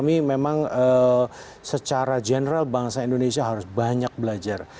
sekarang secara general bangsa indonesia harus banyak belajar